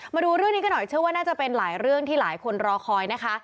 มาดูเรื่องนี้กันหน่อยเชื่อว่าน่าจะเป็นหลายเรื่องที่หลายคนรอคอยนะคะ